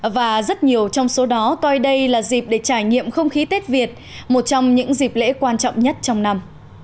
và rất nhiều trong số đó coi đây là dịp để trải nghiệm không khí tết việt một trong những dịp lễ quan trọng nhất trong năm